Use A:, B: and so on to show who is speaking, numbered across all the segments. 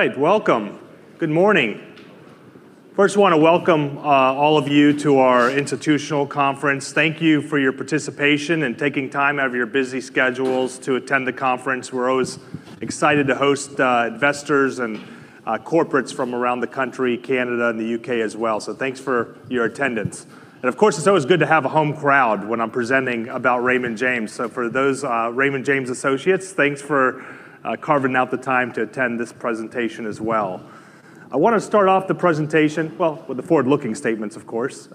A: Right. Welcome. Good morning. First, I wanna welcome, all of you to our institutional conference. Thank you for your participation and taking time out of your busy schedules to attend the conference. We're always excited to host, investors and corporates from around the country, Canada, and the UK as well. Thanks for your attendance. Of course, it's always good to have a home crowd when I'm presenting about Raymond James. For those, Raymond James associates, thanks for carving out the time to attend this presentation as well. I wanna start off the presentation, well, with the forward-looking statements, of course,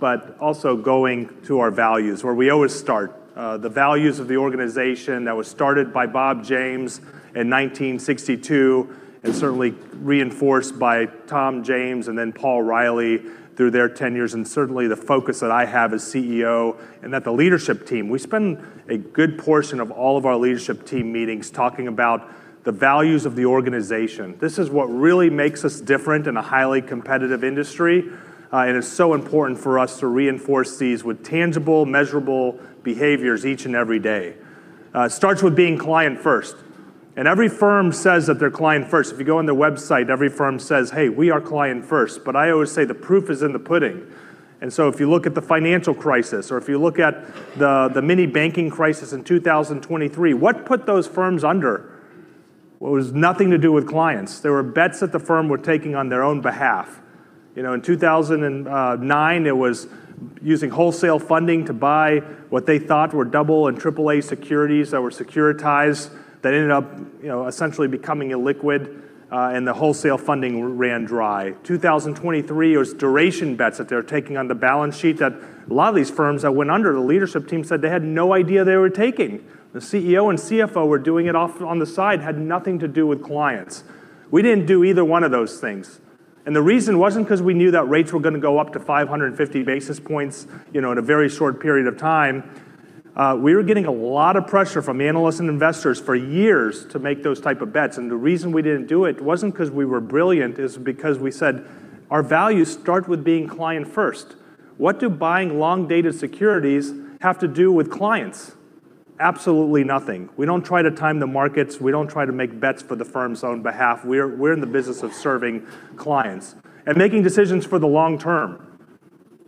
A: but also going to our values, where we always start. The values of the organization that was started by Bob James in 1962, certainly reinforced by Tom James and then Paul Reilly through their tenures, and certainly the focus that I have as CEO and that the leadership team. We spend a good portion of all of our leadership team meetings talking about the values of the organization. This is what really makes us different in a highly competitive industry, it's so important for us to reinforce these with tangible, measurable behaviors each and every day. It starts with being client first. Every firm says that they're client first. If you go on their website, every firm says, "Hey, we are client first." I always say the proof is in the pudding. If you look at the financial crisis, or if you look at the mini banking crisis in 2023, what put those firms under? It was nothing to do with clients. They were bets that the firm were taking on their own behalf. You know, in 2009, it was using wholesale funding to buy what they thought were double and triple A securities that were securitized, that ended up, you know, essentially becoming illiquid, and the wholesale funding ran dry. 2023, it was duration bets that they were taking on the balance sheet that a lot of these firms that went under, the leadership team said they had no idea they were taking. The CEO and CFO were doing it off, on the side, had nothing to do with clients. We didn't do either one of those things. The reason wasn't 'cause we knew that rates were gonna go up to 550 basis points, you know, in a very short period of time. We were getting a lot of pressure from analysts and investors for years to make those type of bets, and the reason we didn't do it wasn't 'cause we were brilliant. It's because we said, "Our values start with being client first. What do buying long-dated securities have to do with clients?" Absolutely nothing. We don't try to time the markets. We don't try to make bets for the firm's own behalf. We're in the business of serving clients and making decisions for the long term.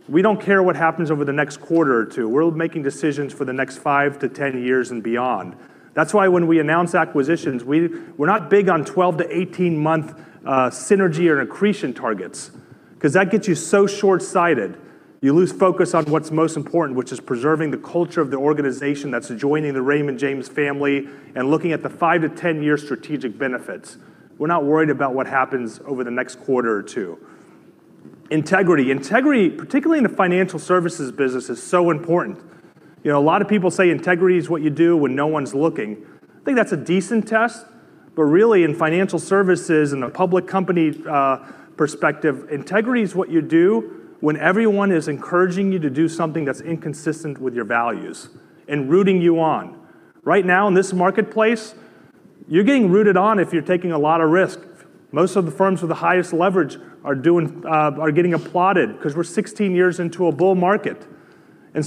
A: We don't care what happens over the next quarter or two. We're making decisions for the next five to 10 years and beyond. That's why when we announce acquisitions, we're not big on 12 month-18 month synergy or accretion targets, 'cause that gets you so short-sighted. You lose focus on what's most important, which is preserving the culture of the organization that's joining the Raymond James family and looking at the 5 year-10 year strategic benefits. We're not worried about what happens over the next quarter or two. Integrity, particularly in the financial services business, is so important. You know, a lot of people say integrity is what you do when no one's looking. I think that's a decent test, really, in financial services and the public company perspective, integrity is what you do when everyone is encouraging you to do something that's inconsistent with your values and rooting you on. Right now, in this marketplace, you're getting rooted on if you're taking a lot of risk. Most of the firms with the highest leverage are doing, are getting applauded because we're 16 years into a bull market.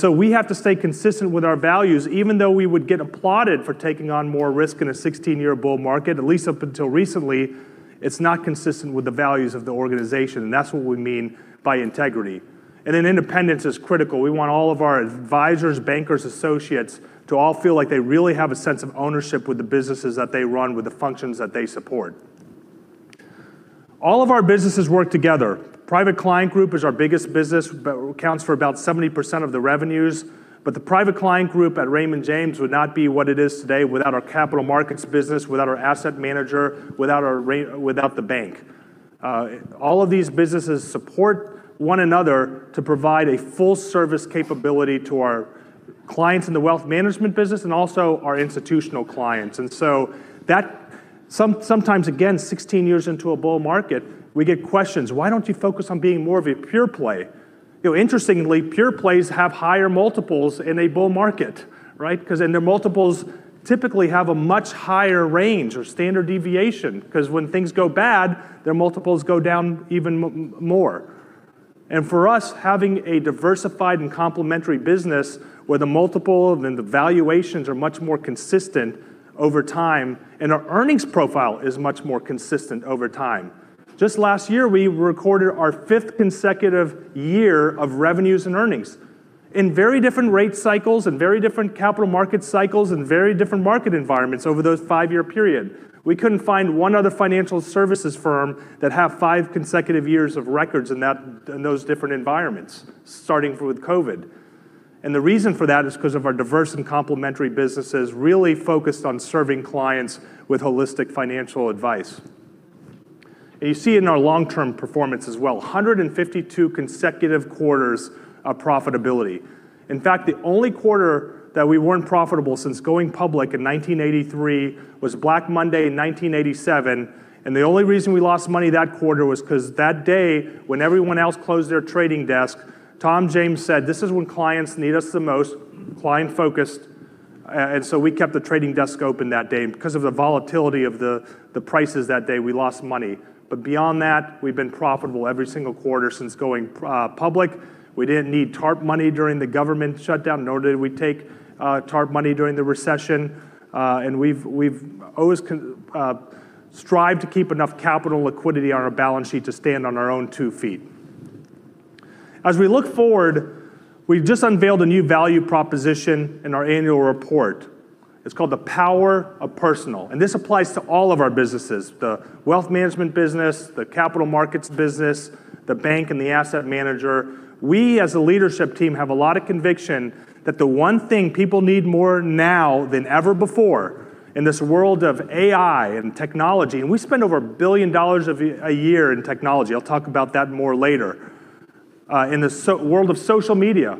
A: We have to stay consistent with our values, even though we would get applauded for taking on more risk in a 16-year bull market, at least up until recently, it's not consistent with the values of the organization, and that's what we mean by integrity. Independence is critical. We want all of our advisors, bankers, associates to all feel like they really have a sense of ownership with the businesses that they run, with the functions that they support. All of our businesses work together. Private Client Group is our biggest business, but accounts for about 70% of the revenues. The Private Client Group at Raymond James would not be what it is today without our capital markets business, without our asset manager, without the bank. All of these businesses support one another to provide a full service capability to our clients in the wealth management business and also our institutional clients. Sometimes, again, 16 years into a bull market, we get questions, "Why don't you focus on being more of a pure play?" You know, interestingly, pure plays have higher multiples in a bull market, right? Because then their multiples typically have a much higher range or standard deviation, because when things go bad, their multiples go down even more. For us, having a diversified and complementary business where the multiple and the valuations are much more consistent over time, and our earnings profile is much more consistent over time. Just last year, we recorded our 5th consecutive year of revenues and earnings in very different rate cycles and very different capital market cycles and very different market environments over those five-year period. We couldn't find one other financial services firm that have five consecutive years of records in that, in those different environments, starting with COVID. The reason for that is 'cause of our diverse and complementary businesses really focused on serving clients with holistic financial advice. You see it in our long-term performance as well, 152 consecutive quarters of profitability. In fact, the only quarter that we weren't profitable since going public in 1983 was Black Monday in 1987, and the only reason we lost money that quarter was 'cause that day, when everyone else closed their trading desk, Tom James said, "This is when clients need us the most," client-focused, and so we kept the trading desk open that day, and because of the volatility of the prices that day, we lost money. Beyond that, we've been profitable every single quarter since going public. We didn't need TARP money during the government shutdown, nor did we take TARP money during the recession. We've always strived to keep enough capital liquidity on our balance sheet to stand on our own two feet. As we look forward, we've just unveiled a new value proposition in our annual report. It's called The Power of Personal. This applies to all of our businesses, the wealth management business, the capital markets business, the bank and the asset manager. We as a leadership team have a lot of conviction that the one thing people need more now than ever before in this world of AI and technology. We spend over $1 billion a year in technology. I'll talk about that more later. In the world of social media,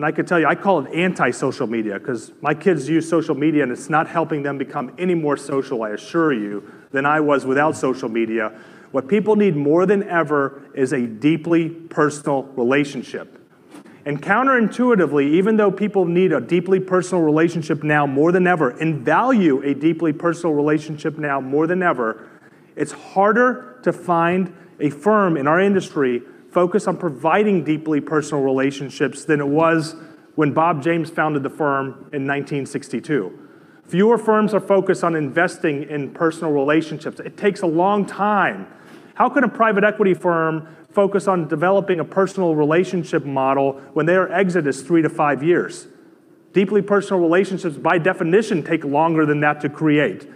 A: I could tell you, I call it anti-social media 'cause my kids use social media and it's not helping them become any more social, I assure you, than I was without social media. What people need more than ever is a deeply personal relationship. Counterintuitively, even though people need a deeply personal relationship now more than ever, and value a deeply personal relationship now more than ever, it's harder to find a firm in our industry focused on providing deeply personal relationships than it was when Bob James founded the firm in 1962. Fewer firms are focused on investing in personal relationships. It takes a long time. How can a private equity firm focus on developing a personal relationship model when their exit is three years to five years? Deeply personal relationships, by definition, take longer than that to create,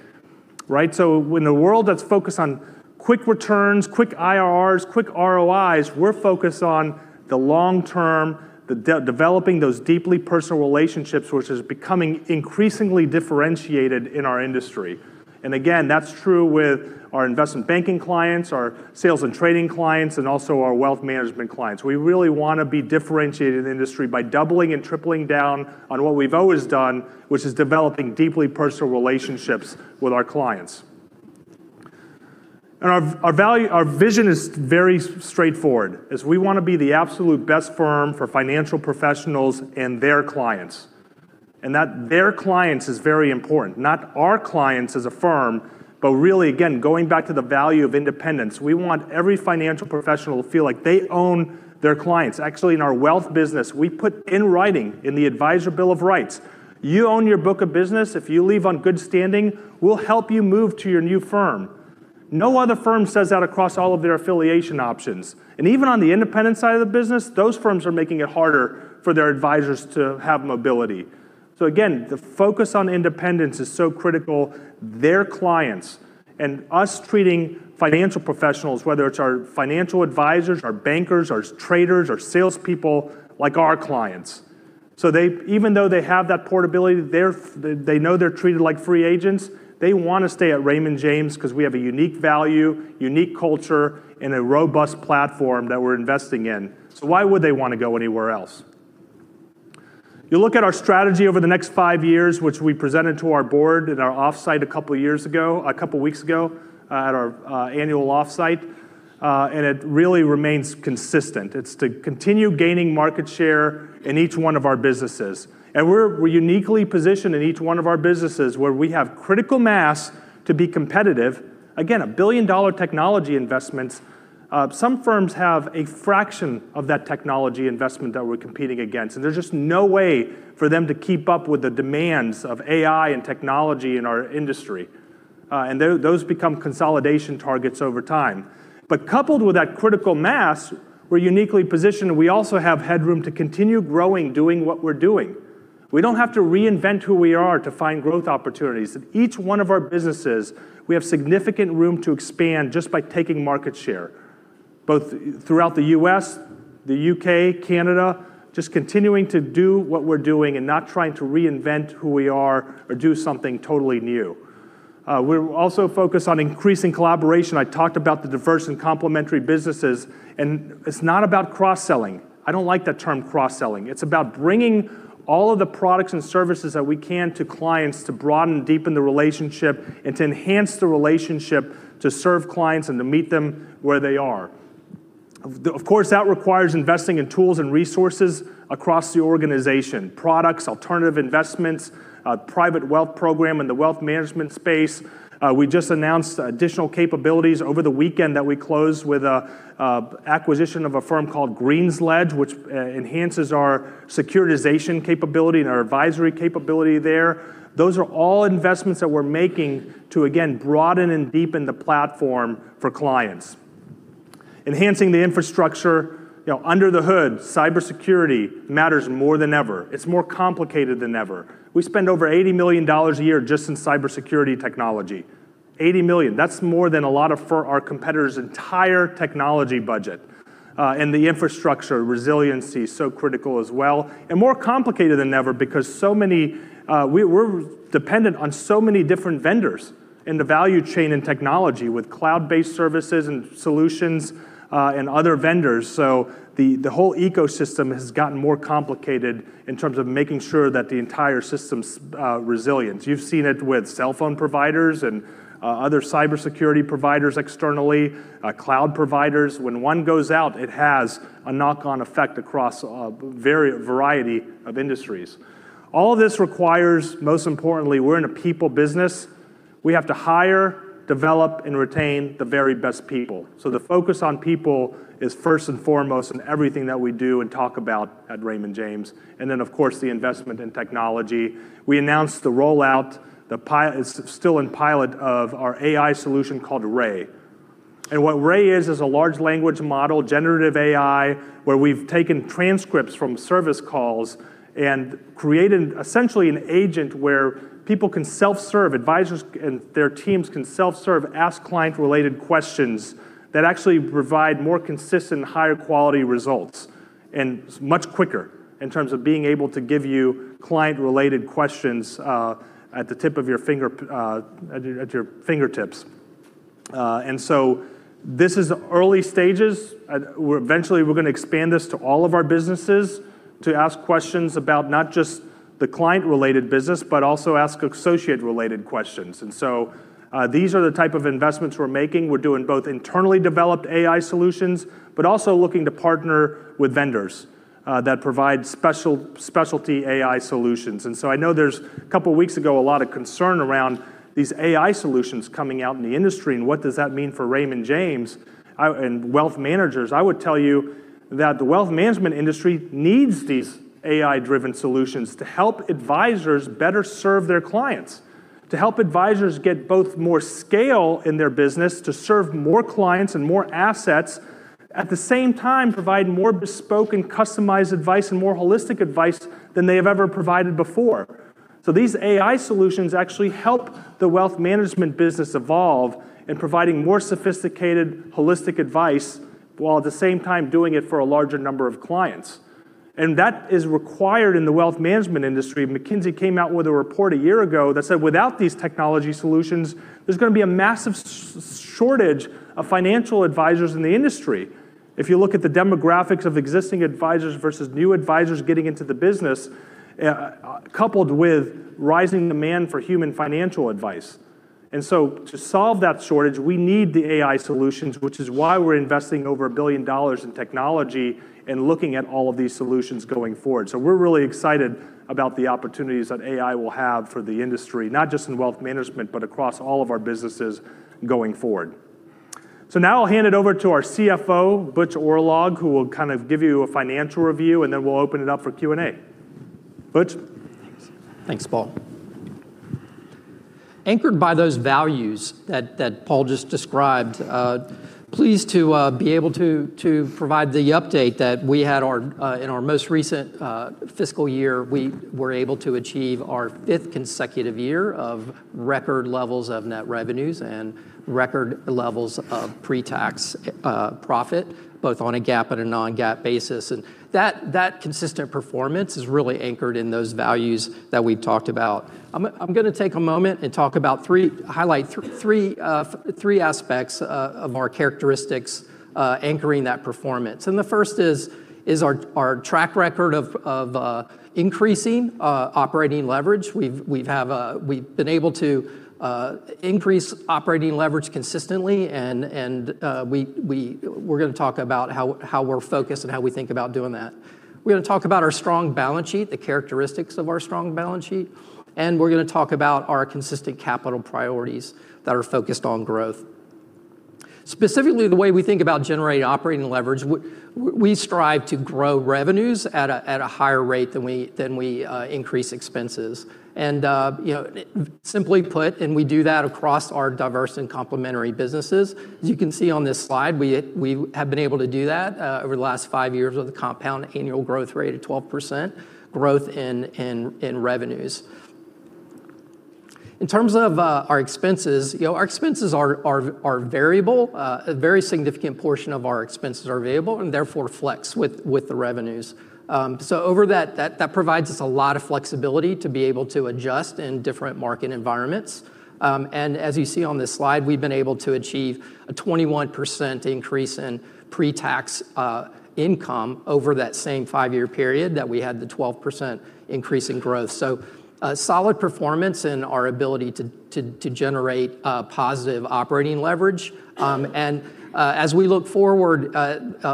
A: right? When the world that's focused on quick returns, quick IRRs, quick ROIs, we're focused on the long term, the de-developing those deeply personal relationships, which is becoming increasingly differentiated in our industry. Again, that's true with our investment banking clients, our sales and trading clients, and also our wealth management clients. We really wanna be differentiated in the industry by doubling and tripling down on what we've always done, which is developing deeply personal relationships with our clients. Our value, our vision is very straightforward, is we wanna be the absolute best firm for financial professionals and their clients. That their clients is very important. Not our clients as a firm, but really, again, going back to the value of independence, we want every financial professional to feel like they own their clients. Actually, in our wealth business, we put in writing in the Financial Advisor Bill of Rights, "You own your book of business. If you leave on good standing, we'll help you move to your new firm." No other firm says that across all of their affiliation options. Even on the independent side of the business, those firms are making it harder for their advisors to have mobility. Again, the focus on independence is so critical, their clients and us treating financial professionals, whether it's our financial advisors, our bankers, our traders, our salespeople, like our clients. They, even though they have that portability, they know they're treated like free agents, they wanna stay at Raymond James 'cause we have a unique value, unique culture, and a robust platform that we're investing in. Why would they wanna go anywhere else? You look at our strategy over the next 5 years, which we presented to our board at our offsite a couple years ago, a couple weeks ago, at our annual offsite, it really remains consistent. It's to continue gaining market share in each one of our businesses. We're uniquely positioned in each one of our businesses where we have critical mass to be competitive. Again, a billion-dollar technology investments. Some firms have a fraction of that technology investment that we're competing against, and there's just no way for them to keep up with the demands of AI and technology in our industry. Those become consolidation targets over time. Coupled with that critical mass, we're uniquely positioned, and we also have headroom to continue growing doing what we're doing. We don't have to reinvent who we are to find growth opportunities. In each one of our businesses, we have significant room to expand just by taking market share, both throughout the U.S., the U.K., Canada, just continuing to do what we're doing and not trying to reinvent who we are or do something totally new. We're also focused on increasing collaboration. I talked about the diverse and complementary businesses, it's not about cross-selling. I don't like that term cross-selling. It's about bringing all of the products and services that we can to clients to broaden and deepen the relationship and to enhance the relationship to serve clients and to meet them where they are. Of course, that requires investing in tools and resources across the organization, products, alternative investments, private wealth program in the wealth management space. We just announced additional capabilities over the weekend that we closed with an acquisition of a firm called GreensLedge, which enhances our securitization capability and our advisory capability there. Those are all investments that we're making to, again, broaden and deepen the platform for clients. Enhancing the infrastructure, you know, under the hood, cybersecurity matters more than ever. It's more complicated than ever. We spend over $80 million a year just in cybersecurity technology. $80 million. That's more than a lot of our competitors' entire technology budget. The infrastructure resiliency is so critical as well, and more complicated than ever because so many, we're dependent on so many different vendors in the value chain and technology with cloud-based services and solutions and other vendors. The whole ecosystem has gotten more complicated in terms of making sure that the entire system's resilient. You've seen it with cell phone providers and other cybersecurity providers externally, cloud providers. When one goes out, it has a knock-on effect across a variety of industries. All this requires, most importantly, we're in a people business. We have to hire, develop, and retain the very best people. The focus on people is first and foremost in everything that we do and talk about at Raymond James, and then of course the investment in technology. We announced the rollout, it's still in pilot of our AI solution called Ray. What Ray is a large language model, generative AI, where we've taken transcripts from service calls and created essentially an agent where people can self-serve, advisors and their teams can self-serve, ask client-related questions that actually provide more consistent, higher quality results and much quicker in terms of being able to give you client-related questions, at the tip of your finger, at your fingertips. This is early stages. We're eventually we're gonna expand this to all of our businesses to ask questions about not just the client-related business, but also ask associate-related questions. These are the type of investments we're making. We're doing both internally developed AI solutions, but also looking to partner with vendors that provide specialty AI solutions. I know there's, couple weeks ago, a lot of concern around these AI solutions coming out in the industry and what does that mean for Raymond James and wealth managers. I would tell you that the wealth management industry needs these AI-driven solutions to help advisors better serve their clients, to help advisors get both more scale in their business to serve more clients and more assets, at the same time provide more bespoke and customized advice and more holistic advice than they have ever provided before. These AI solutions actually help the wealth management business evolve in providing more sophisticated, holistic advice, while at the same time doing it for a larger number of clients. That is required in the wealth management industry. McKinsey came out with a report a year ago that said, without these technology solutions, there's gonna be a massive shortage of financial advisors in the industry if you look at the demographics of existing advisors versus new advisors getting into the business, coupled with rising demand for human financial advice. To solve that shortage, we need the AI solutions, which is why we're investing over $1 billion in technology and looking at all of these solutions going forward. We're really excited about the opportunities that AI will have for the industry, not just in wealth management, but across all of our businesses going forward. Now I'll hand it over to our CFO, Butch Oorlog, who will kind of give you a financial review, and then we'll open it up for Q&A. Butch?
B: Thanks. Thanks, Paul. Anchored by those values that Paul just described, pleased to be able to provide the update that we had our in our most recent fiscal year, we were able to achieve our fifth consecutive year of record levels of net revenues and record levels of pre-tax profit, both on a GAAP and a non-GAAP basis. That consistent performance is really anchored in those values that we've talked about. I'm gonna take a moment and talk about three, highlight three aspects of our characteristics, anchoring that performance. The first is our track record of increasing operating leverage. We've been able to increase operating leverage consistently and we're gonna talk about how we're focused and how we think about doing that. We're gonna talk about our strong balance sheet, the characteristics of our strong balance sheet. We're gonna talk about our consistent capital priorities that are focused on growth. Specifically, the way we think about generating operating leverage, we strive to grow revenues at a higher rate than we increase expenses. You know, simply put, and we do that across our diverse and complementary businesses. As you can see on this slide, we have been able to do that over the last five years with a compound annual growth rate of 12% growth in revenues. In terms of our expenses, you know, our expenses are variable. A very significant portion of our expenses are variable and therefore flex with the revenues. Over that provides us a lot of flexibility to be able to adjust in different market environments. As you see on this slide, we've been able to achieve a 21% increase in pre-tax income over that same five-year period that we had the 12% increase in growth. A solid performance in our ability to generate positive operating leverage. As we look forward,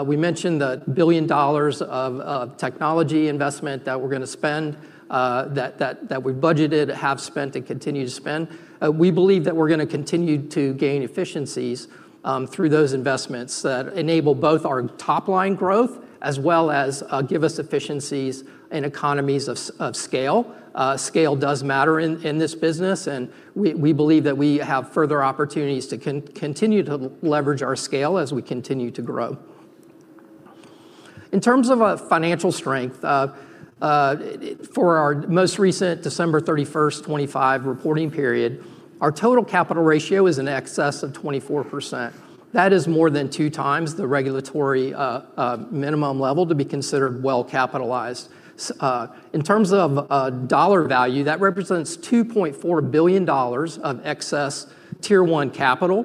B: we mentioned the $1 billion of technology investment that we're gonna spend, that we budgeted, have spent, and continue to spend. We believe that we're gonna continue to gain efficiencies through those investments that enable both our top-line growth as well as give us efficiencies and economies of scale. Scale does matter in this business, and we believe that we have further opportunities to continue to leverage our scale as we continue to grow. In terms of financial strength, for our most recent December 31st, 2025 reporting period, our total capital ratio is in excess of 24%. That is more than two times the regulatory minimum level to be considered well-capitalized. In terms of dollar value, that represents $2.4 billion of excess Tier 1 capital,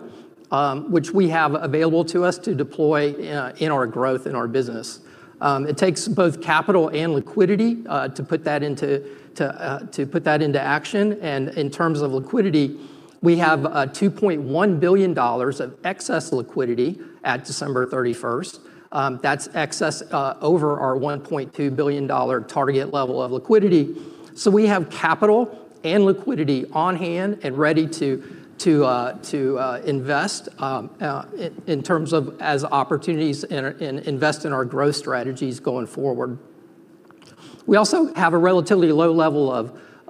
B: which we have available to us to deploy in our growth in our business. It takes both capital and liquidity to put that into action. In terms of liquidity, we have $2.1 billion of excess liquidity at December 31st. That's excess over our $1.2 billion target level of liquidity. We have capital and liquidity on hand and ready to invest in terms of as opportunities and invest in our growth strategies going forward. We also have a relatively low level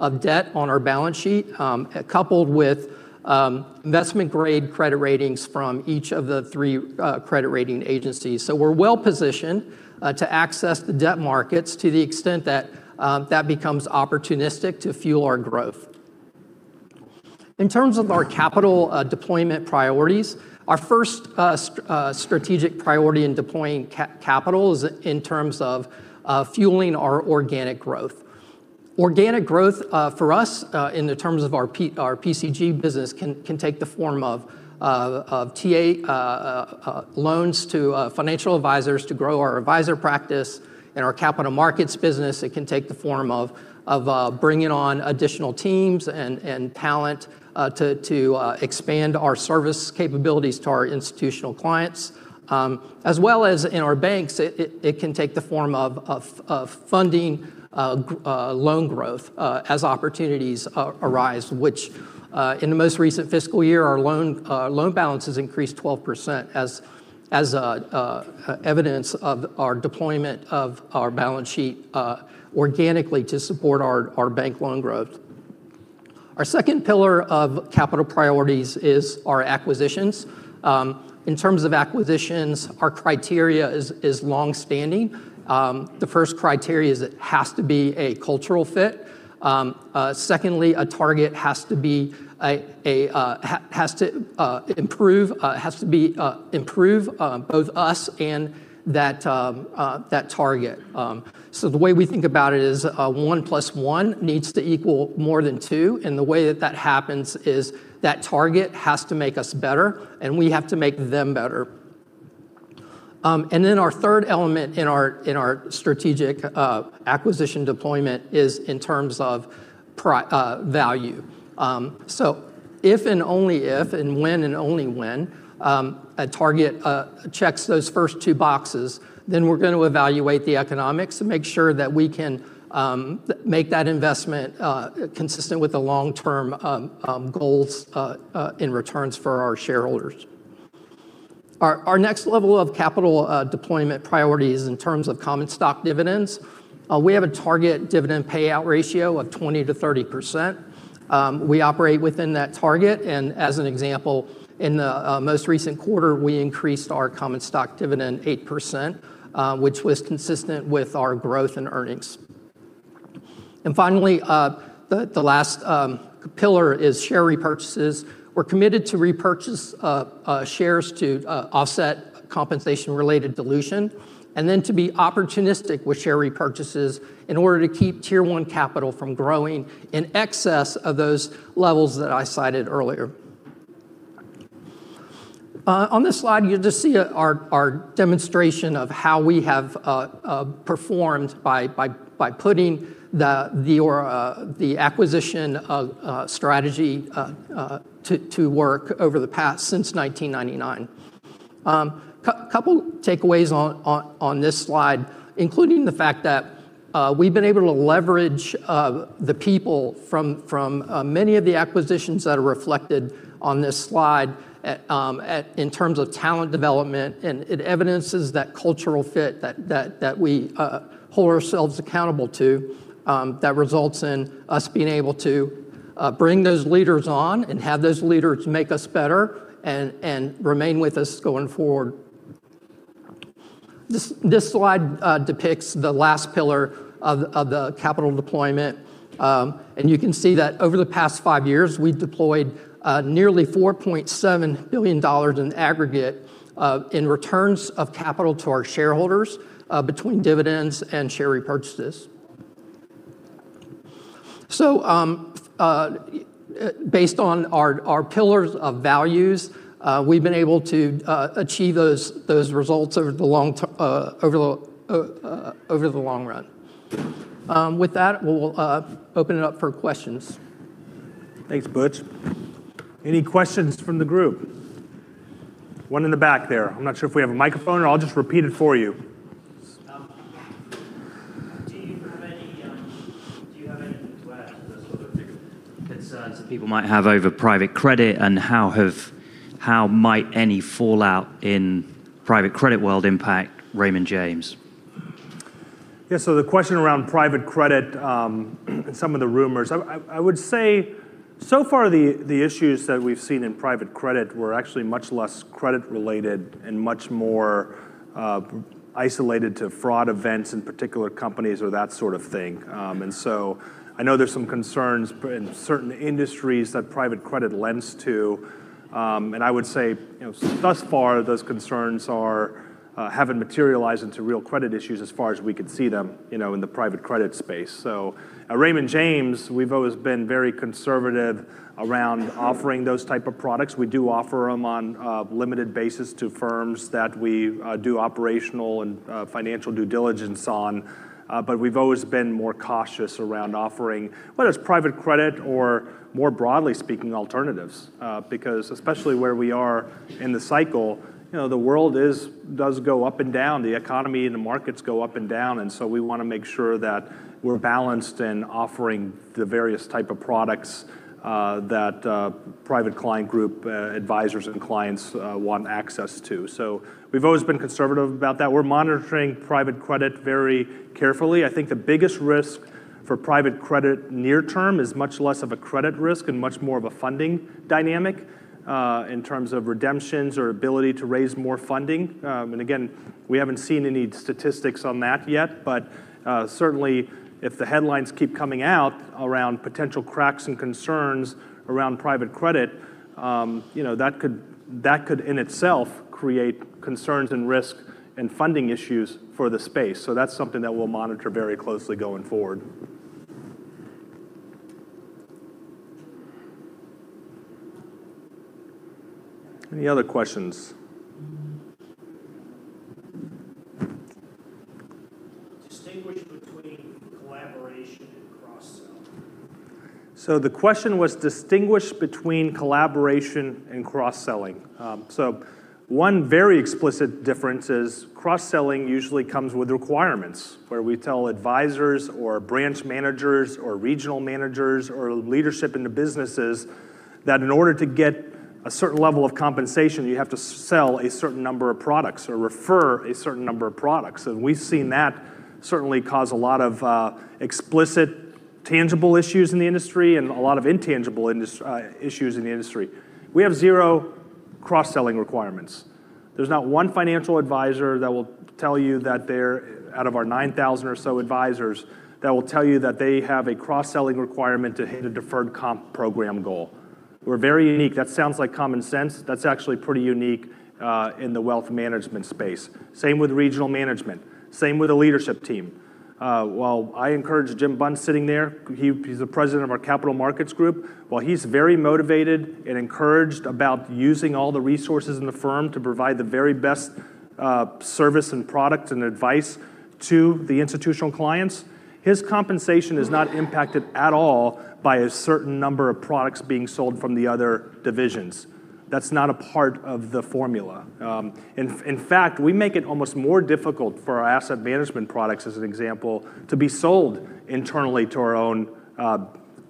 B: of debt on our balance sheet, coupled with investment-grade credit ratings from each of the three credit rating agencies. We're well-positioned to access the debt markets to the extent that becomes opportunistic to fuel our growth. In terms of our capital deployment priorities, our first strategic priority in deploying capital is in terms of fueling our organic growth. Organic growth for us in the terms of our PCG business can take the form of TA loans to financial advisors to grow our advisor practice. In our capital markets business, it can take the form of bringing on additional teams and talent to expand our service capabilities to our institutional clients, as well as in our banks, it can take the form of funding loan growth as opportunities arise, which in the most recent fiscal year, our loan balance has increased 12% as evidence of our deployment of our balance sheet organically to support our bank loan growth. Our second pillar of capital priorities is our acquisitions. In terms of acquisitions, our criteria is long-standing. The first criteria is it has to be a cultural fit. Secondly, a target has to improve, has to be improve, both us and that target. The way we think about it is one plus one needs to equal more than two, and the way that that happens is that target has to make us better, and we have to make them better. Our third element in our strategic acquisition deployment is in terms of value. If and only if, and when and only when, a target checks those first two boxes, then we're gonna evaluate the economics and make sure that we can make that investment consistent with the long-term goals in returns for our shareholders. Our next level of capital deployment priority is in terms of common stock dividends. We have a target dividend payout ratio of 20%-30%. We operate within that target, and as an example, in the most recent quarter, we increased our common stock dividend 8%, which was consistent with our growth and earnings. Finally, the last pillar is share repurchases. We're committed to repurchase shares to offset compensation-related dilution, and then to be opportunistic with share repurchases in order to keep Tier 1 capital from growing in excess of those levels that I cited earlier. On this slide, you just see our demonstration of how we have performed by putting the acquisition strategy to work over the past since 1999. Couple takeaways on this slide, including the fact that we've been able to leverage the people from many of the acquisitions that are reflected on this slide at, in terms of talent development, and it evidences that cultural fit that we hold ourselves accountable to, that results in us being able to bring those leaders on and have those leaders make us better and remain with us going forward. This slide depicts the last pillar of the capital deployment, and you can see that over the past 5 years, we've deployed nearly $4.7 billion in aggregate in returns of capital to our shareholders between dividends and share repurchases. Based on our pillars of values, we've been able to achieve those results over the long run. With that, we'll open it up for questions.
A: Thanks, Butch. Any questions from the group? One in the back there. I'm not sure if we have a microphone, or I'll just repeat it for you.
C: Do you have any, do you have anything to add to those sort of bigger concerns that people might have over private credit, and how might any fallout in private credit world impact Raymond James?
A: Yeah. The question around private credit, and some of the rumors. I would say, so far, the issues that we've seen in private credit were actually much less credit-related and much more isolated to fraud events in particular companies or that sort of thing. I know there's some concerns in certain industries that private credit lends to, and I would say, you know, thus far, those concerns are haven't materialized into real credit issues as far as we could see them, you know, in the private credit space. At Raymond James, we've always been very conservative around offering those type of products. We do offer them on a limited basis to firms that we do operational and financial due diligence on. We've always been more cautious around offering whether it's private credit or, more broadly speaking, alternatives. Because especially where we are in the cycle, you know, the world is, does go up and down. The economy and the markets go up and down, we wanna make sure that we're balanced in offering the various type of products that Private Client Group advisors and clients want access to. We've always been conservative about that. We're monitoring private credit very carefully. I think the biggest risk for private credit near term is much less of a credit risk and much more of a funding dynamic in terms of redemptions or ability to raise more funding. Again, we haven't seen any statistics on that yet. Certainly if the headlines keep coming out around potential cracks and concerns around private credit, you know, that could in itself create concerns and risk and funding issues for the space. That's something that we'll monitor very closely going forward. Any other questions? Distinguish between collaboration and cross-sell. The question was distinguish between collaboration and cross-selling. One very explicit difference is cross-selling usually comes with requirements where we tell advisors or branch managers or regional managers or leadership in the businesses that in order to get a certain level of compensation, you have to sell a certain number of products or refer a certain number of products. We've seen that certainly cause a lot of explicit, tangible issues in the industry and a lot of intangible issues in the industry. We have zero cross-selling requirements. There's not one financial advisor that will tell you that they're, out of our 9,000 or so advisors, that will tell you that they have a cross-selling requirement to hit a deferred comp program goal. We're very unique. That sounds like common sense. That's actually pretty unique in the wealth management space. Same with regional management, same with the leadership team. While I encourage Jim Bunn sitting there, he's the president of our capital markets group, while he's very motivated and encouraged about using all the resources in the firm to provide the very best service and product and advice to the institutional clients, his compensation is not impacted at all by a certain number of products being sold from the other divisions. That's not a part of the formula. In fact, we make it almost more difficult for our asset management products, as an example, to be sold internally to our own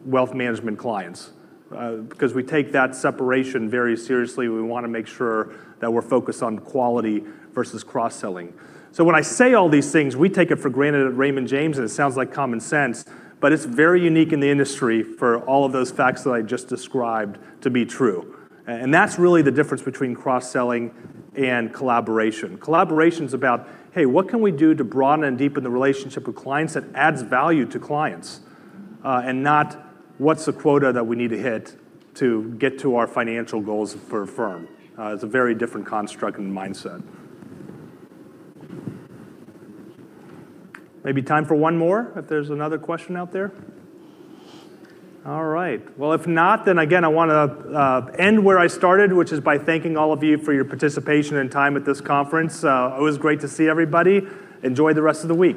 A: wealth management clients, because we take that separation very seriously. We wanna make sure that we're focused on quality versus cross-selling. When I say all these things, we take it for granted at Raymond James, and it sounds like common sense, but it's very unique in the industry for all of those facts that I just described to be true. That's really the difference between cross-selling and collaboration. Collaboration is about, hey, what can we do to broaden and deepen the relationship with clients that adds value to clients, and not what's the quota that we need to hit to get to our financial goals for a firm? It's a very different construct and mindset. Maybe time for one more, if there's another question out there. All right. Well, if not, again, I wanna end where I started, which is by thanking all of you for your participation and time at this conference. Always great to see everybody. Enjoy the rest of the week.